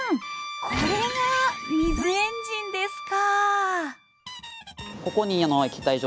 これが水エンジンですか！